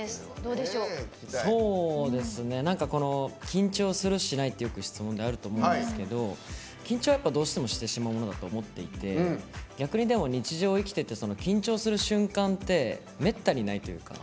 緊張するしないっていう質問よく質問であると思うんですけど緊張はどうしてもしてしまうものだと思っていて逆に、日常を生きてて緊張する瞬間ってめったにないというか。